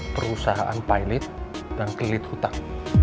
perusahaan pilot dan kelilit hutang